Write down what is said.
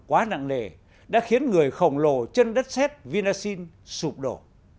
hóa nặng nề đã khiến người khổng lồ chân đất xét vinasyn sụp đổ